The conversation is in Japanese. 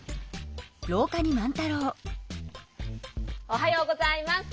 おはようございます。